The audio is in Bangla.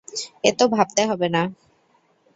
এত ভাবতে হবে না।